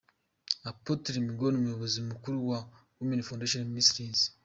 Apotre Mignone umuyobozi mukuru wa Women Foundation Ministries.